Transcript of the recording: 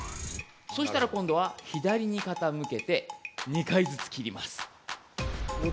そうしたら今度は左に傾けて２回ずつ切ります。